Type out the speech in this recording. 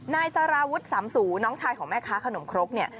นายสารวุฒิสำสูน้องชายของแม่ค้าขนมครกเนี่ย